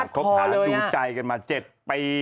พัดคอเลยนะพัดคอดูใจกันมา๗ปี